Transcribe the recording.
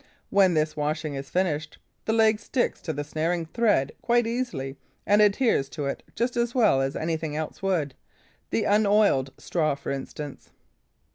When this washing is finished, the leg sticks to the snaring thread quite easily and adheres to it just as well as anything else would, the unoiled straw, for instance.